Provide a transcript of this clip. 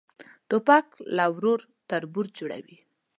توپک له ورور تربور جوړوي.